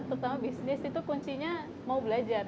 terutama bisnis itu kuncinya mau belajar